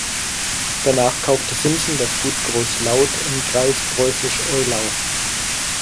Danach kaufte Simpson das Gut Groß Lauth im Kreis Preußisch Eylau.